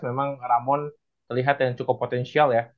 memang ramon terlihat yang cukup potensial ya